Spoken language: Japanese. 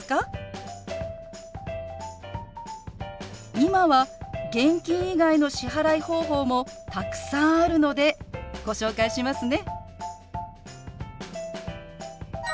今は現金以外の支払い方法もたくさんあるのでご紹介しますね。